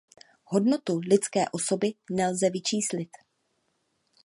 Hodnotu lidské osoby nelze vyčíslit.